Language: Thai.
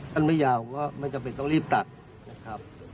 ไม่ยาวก็ไม่จำเป็นต้องรีบตัดนะครับ